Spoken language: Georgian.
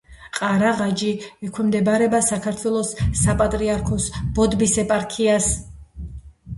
ყარაღაჯი ექვემდებარება საქართველოს საპატრიარქოს ბოდბის ეპარქიას.